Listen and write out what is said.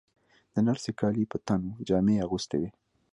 د نرسې کالي یې په تن وو، جامې یې اغوستې وې.